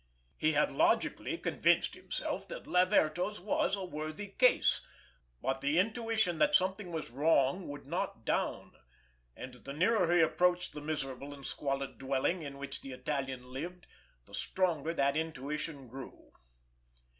He had logically convinced himself that Laverto's was a worthy case—but the intuition that something was wrong would not down, and the nearer he approached the miserable and squalid dwelling in which the Italian lived, the stronger that intuition grew.